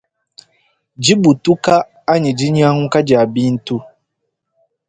Dibutuka anyi dinyanguka dia bintu.